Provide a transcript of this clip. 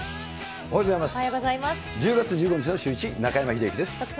おはようございます。